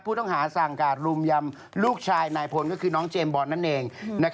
ผู้ต้องหาสั่งการรุมยำลูกชายนายพลก็คือน้องเจมส์บอลนั่นเอง